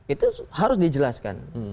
itu harus dijelaskan